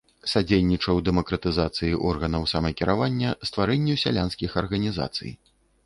Садзейнічаў дэмакратызацыі органаў самакіравання, стварэнню сялянскіх арганізацый.